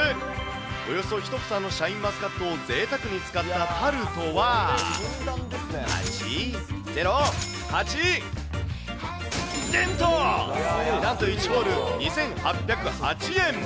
およそ１房のシャインマスカットをぜいたくに使ったタルトは、なんと１ホール２８０８円。